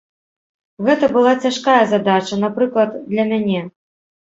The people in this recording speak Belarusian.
Гэта была цяжкая задача, напрыклад, для мяне.